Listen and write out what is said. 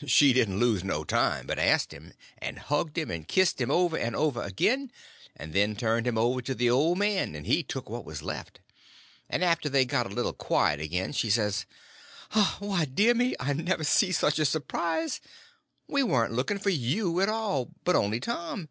So she didn't lose no time, but asked him; and hugged him and kissed him over and over again, and then turned him over to the old man, and he took what was left. And after they got a little quiet again she says: "Why, dear me, I never see such a surprise. We warn't looking for you at all, but only Tom.